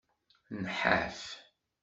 Nḥaf.